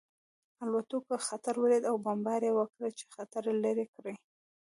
الوتکو خطر ولید او بمبار یې وکړ چې خطر لرې کړي